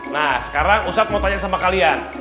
nah sekarang ustadz mau tanya sama kalian